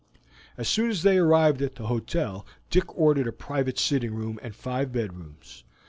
As soon as they arrived at the hotel Dick ordered a private sitting room and five bedrooms.